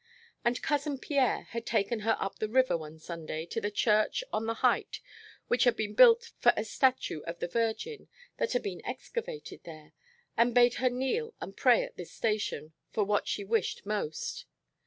And Cousin Pierre had taken her up the river one Sunday to the church on the height which had been built for a statue of the Virgin that had been excavated there, and bade her kneel and pray at this station for what she wished most.